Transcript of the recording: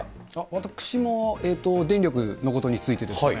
私も電力のことについてですね。